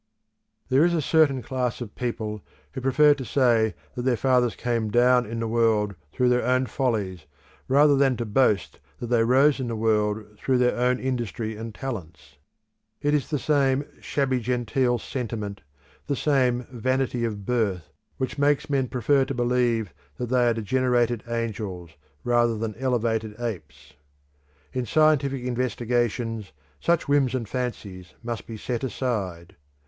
There is a certain class of people who prefer to say that their fathers came down in the world through their own follies rather than to boast that they rose in the world through their own industry and talents. It is the same shabby genteel sentiment, the same vanity of birth which makes men prefer to believe that they are degenerated angels, rather than elevated apes. In scientific investigations such whims and fancies must be set aside.